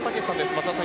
松田さん